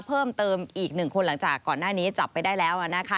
เพิ่มเติมอีกหนึ่งคนหลังจากก่อนหน้านี้จับไปได้แล้วนะคะ